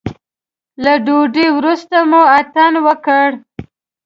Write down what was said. له ډوډۍ وروسته مو اتڼ وکړ.